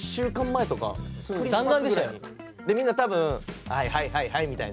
でみんな多分「はいはいはいはい」みたいな。